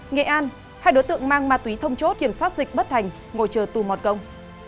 nghệ an hai đối tượng mang ma túy thông chốt kiểm soát dịch bất thành ngồi chờ tù mòn công